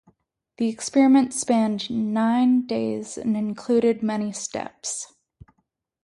The experiment spanned nine days, and included many steps.